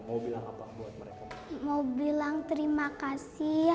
mau bilang terima kasih sudah mengajari hanifah memisah membaca menulis